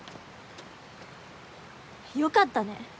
よかったね。